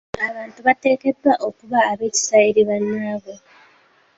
Abantu bateekeddwa okuba ab'ekisa eri bannaabwe.